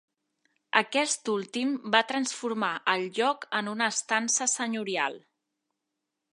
Aquest últim va transformar el lloc en una estança senyorial.